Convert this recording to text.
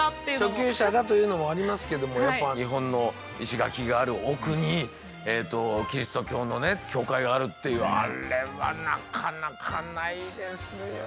初級者だというのもありますけどもやっぱ日本の石垣がある奥にキリスト教の教会があるっていうあれはなかなかないですよ。